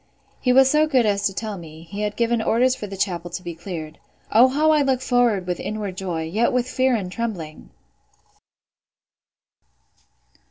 He was so good as to tell me, he had given orders for the chapel to be cleared. O how I look forward with inward joy, yet with fear and trembling!